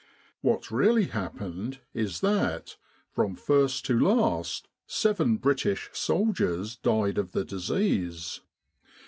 What really happened is that, from first to last, seven British soldiers died of the disease.